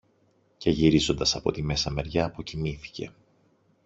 Και γυρίζοντας από τη μέσα μεριά αποκοιμήθηκε.